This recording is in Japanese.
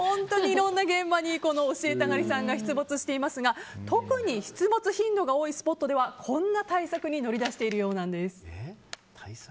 いろんな現場に教えたがりさんが出没していますが特に出没頻度が多いスポットではこんな対策に乗り出しているようなんです。